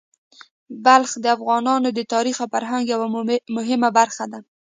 بلخ د افغانانو د تاریخ او فرهنګ یوه مهمه برخه ده.